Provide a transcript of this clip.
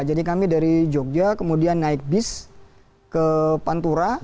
kami dari jogja kemudian naik bis ke pantura